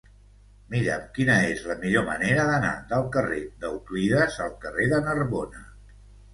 Mira'm quina és la millor manera d'anar del carrer d'Euclides al carrer de Narbona.